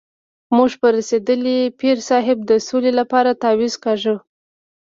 موږ په رسېدلي پیر صاحب د سولې لپاره تعویض کاږو.